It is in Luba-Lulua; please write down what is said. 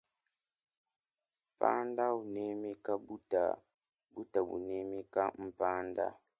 Panda unemeka buta buta bunemeka mpata.